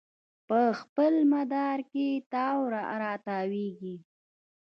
په خپل مدار کې تاو راتاویږي